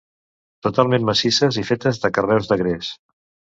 Totalment massisses i fetes de carreus de gres.